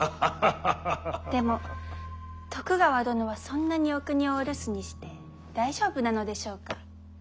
でも徳川殿はそんなにお国をお留守にして大丈夫なのでしょうか？